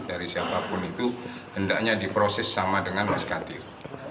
dari siapapun itu hendaknya diproses sama dengan mas kadir